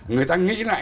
người ta nghĩ lại